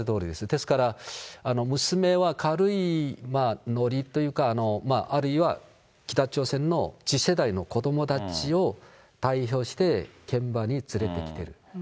ですから娘は軽いのりっていうか、あるいは北朝鮮の次世代の子どもたちを代表して現場に連れてきてる。